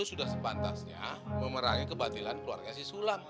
sudah sepantasnya memerangi kebatilan keluarga si sulam